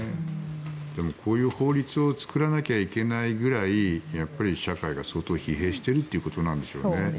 でも、こういう法律を作らなきゃいけないぐらいやっぱり社会が相当、疲弊しているということなんでしょうね。